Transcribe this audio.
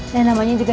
dan namanya juga